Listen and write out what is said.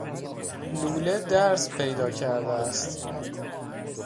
لوله درز پیدا کرده است.